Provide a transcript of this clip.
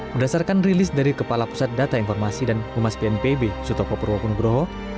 berdasarkan rilis dari kepala pusat data informasi dan humas bnpb sutopo purwokun broho